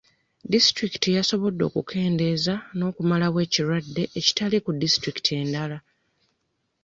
Disitulikiti yasobodde okukendeeza n'okumalawo ekirwadde, ekitali mu disitulikiti endala.